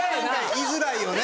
居づらいよね。